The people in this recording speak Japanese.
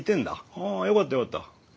はぁよかったよかった。